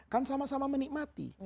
kan sama sama menikmati